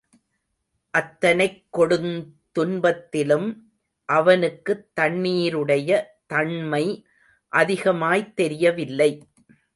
அத்தனைக் கொடுந்துன்பத்திலும் அவனுக்குத் தண்ணீருடைய தண்மை அதிகமாய்த் தெரியவில்லை.